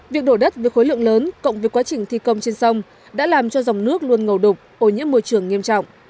việc đổ đất với khối lượng lớn cộng với quá trình thi công trên sông đã làm cho dòng nước luôn ngầu đục ô nhiễm môi trường nghiêm trọng